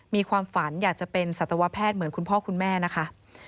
มีความฝันอยากจะเป็นสัตวแพทย์เหมือนคุณพ่อคุณแม่นะคะ